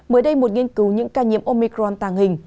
mới đây một nghiên cứu những ca nhiễm omicron tàng hình